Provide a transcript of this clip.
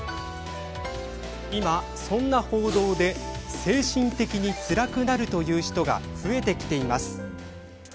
今、そんな報道で精神的につらくなるという人が増えてきています。